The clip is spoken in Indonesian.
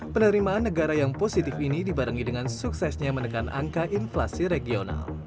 penerimaan negara yang positif ini dibarengi dengan suksesnya menekan angka inflasi regional